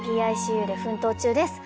ＰＩＣＵで奮闘中です。